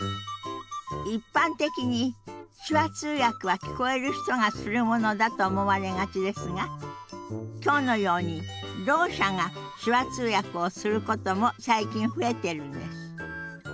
一般的に手話通訳は聞こえる人がするものだと思われがちですが今日のようにろう者が手話通訳をすることも最近増えてるんです。